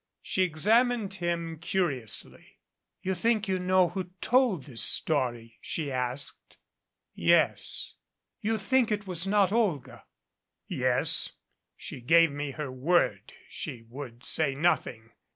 She examined him curiously. "You think you know who told this story?" she asked. "Yes." "You think it was not Olga?" "Yes. She gave me her word she would say nothing.